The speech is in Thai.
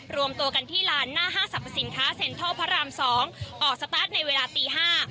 รวมตัวกันที่ลานหน้าห้างสรรพสินค้าเซ็นทรัลพระรามสองออกสตาร์ทในเวลาตีห้า